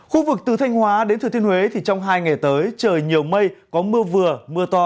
khu vực từ thanh hóa đến thừa thiên huế thì trong hai ngày tới trời nhiều mây có mưa vừa mưa to